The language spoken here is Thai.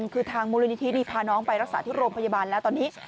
คือทางมูลนิธินี่พาน้องไปรักษาที่โรงพยาบาลแล้วตอนนี้